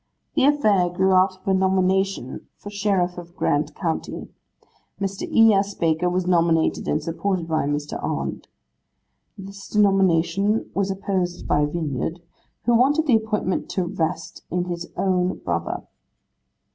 The affair grew out of a nomination for Sheriff of Grant county. Mr. E. S. Baker was nominated and supported by Mr. Arndt. This nomination was opposed by Vinyard, who wanted the appointment to vest in his own brother.